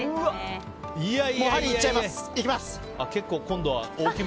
ハリー、いっちゃいます！